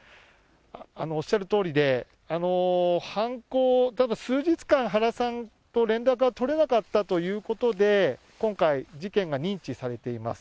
おっしゃるとおりで、犯行、ただ数日間、原さんと連絡が取れなかったということで、今回、事件が認知されています。